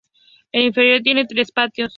El interior tiene tres patios.